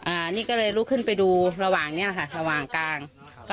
อันนี้ก็เลยลุกขึ้นไปดูระหว่างเนี้ยค่ะระหว่างกลาง